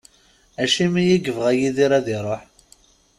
Acimi i yebɣa Yidir ad iruḥ?